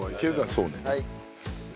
そうね。